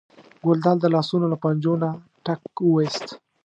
ګلداد د لاسونو له پنجو نه ټک وویست.